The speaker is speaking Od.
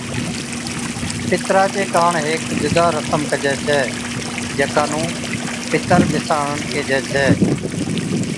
پِترا چي ڪاڻ ھيڪ جُدا رسم ڪجَي ڇَي، ’جڪا نُون پِتر ٻِساڻڻ (بيساڻڻ) ڪيھجَي ڇَي‘